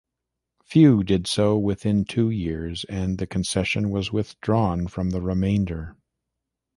Few did so within two years and the concession was withdrawn from the remainder.